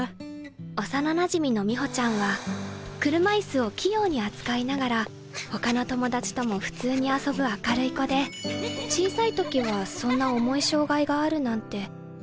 幼なじみの美穂ちゃんは車椅子を器用に扱いながら他の友達とも普通に遊ぶ明るい子で小さい時はそんな重い障害があるなんてよく分かってなくて。